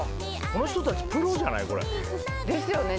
この人たちプロじゃない？ですよね。